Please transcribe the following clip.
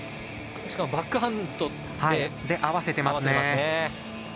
しかも、バックハンドで合わせていますね。